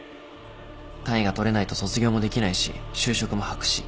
単位が取れないと卒業もできないし就職も白紙。